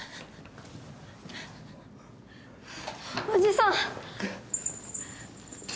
おじさん！